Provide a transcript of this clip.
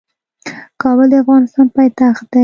کابل د افغانستان پايتخت دی.